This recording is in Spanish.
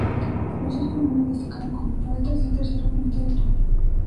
Los dos primeros destacaron como poetas y el tercero como intelectual.